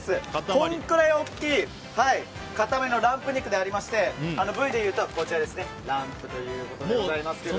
このくらい大きい塊のランプ肉でして部位でいうと、ランプということでございますけども。